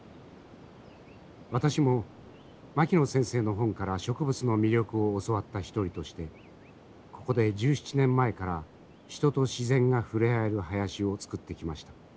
私も牧野先生の本から植物の魅力を教わった一人としてここで１７年前から人と自然が触れ合える林を作ってきました。